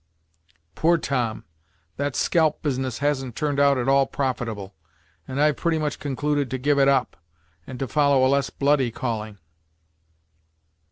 "Poor Tom! That scalp business hasn't turned out at all profitable, and I've pretty much concluded to give it up; and to follow a less bloody calling."